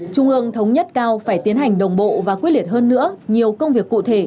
trung ương thống nhất cao phải tiến hành đồng bộ và quyết liệt hơn nữa nhiều công việc cụ thể